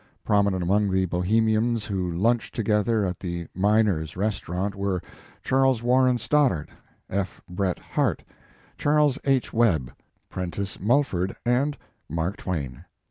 Prominent among the Bohemians who lunched together at the Miners Restau rant were Charles Warren Stoddard, F. Bret Harte, Charles H. Webb, Prentice Mulford and Mark Twain.